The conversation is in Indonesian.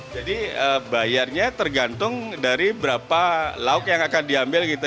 jadi bayarnya tergantung dari berapa lauk yang akan diambil gitu ya